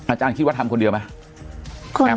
อาจารย์คิดว่าทำคนเดียวไหม